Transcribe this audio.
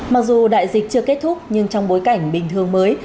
mặc dù đại dịch chưa kết thúc nhưng trong bối cảnh bình thường mới